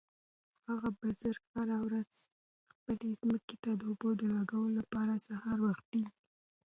هغه بزګر هره ورځ خپلې ځمکې ته د اوبو لګولو لپاره سهار وختي ځي.